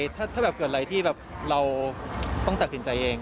ถ้าแบบเกิดอะไรที่แบบเราต้องตัดสินใจเอง